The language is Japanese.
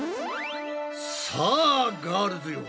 さあガールズよ！